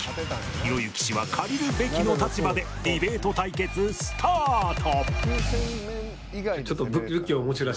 ひろゆき氏は借りるべきの立場でディベート対決スタート！